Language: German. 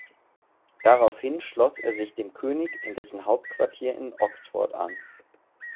Daraufhin schloss er sich dem König in dessen Hauptquartier in Oxford an.